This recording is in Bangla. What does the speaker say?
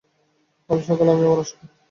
কাল সকালে আমি আবার আসব।